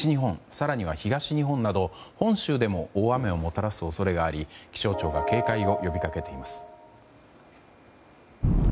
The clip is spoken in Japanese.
更には東日本など本州でも大雨をもたらす恐れがあり気象庁が警戒を呼びかけています。